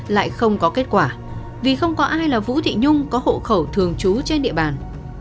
lại không có kết quả vì không có ai là vũ thị nhung có hộ khẩu thường trú trên địa bàn